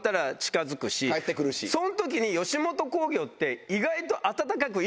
そん時に吉本興業って意外と。